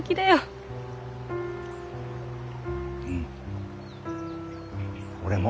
うん俺も。